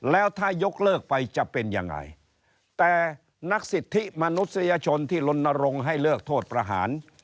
แล้วถ้ายกเลิกไปจะเป็นยังไงแต่นักสิทธิมนุษยชนที่ลนรงค์ให้เลิกโทษประหาร